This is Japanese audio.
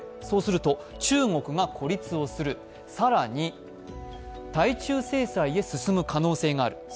そうすると、中国が孤立をする、更に対中制裁へ進む可能性がある。